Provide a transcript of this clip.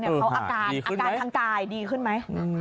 เขาอาการทางกายดีขึ้นไหม